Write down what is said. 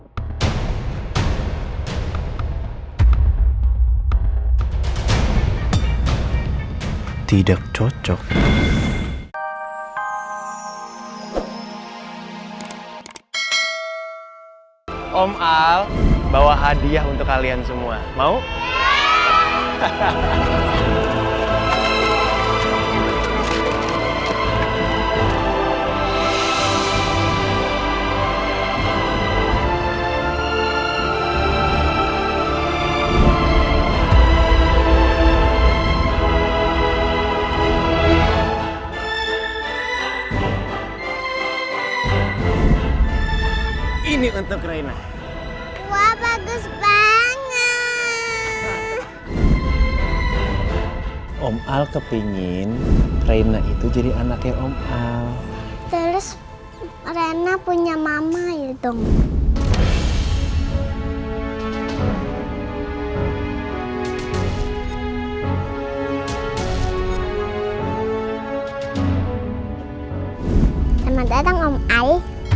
jangan lupa like share dan subscribe channel ini untuk dapat info terbaru